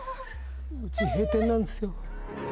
うち閉店なんですよ